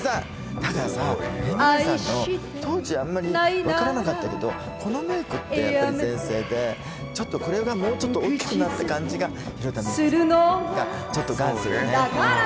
たださ辺見さんの当時あんまり分からなかったけどこのメイクってやっぱり全盛でちょっとこれがもうちょっと大きくなった感じが弘田三枝子さんがちょっと元祖よね